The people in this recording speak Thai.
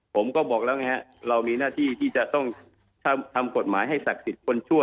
ผมก็บอกแล้วไงฮะเรามีหน้าที่ที่จะต้องทำกฎหมายให้ศักดิ์สิทธิ์คนชั่ว